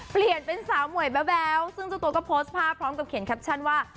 เปลี่ยนเป็นสาวหมวยแบ๊วซึ่งเจ้าตัวก็โพสต์ภาพพร้อมกับเขียนแคปชั่นว่า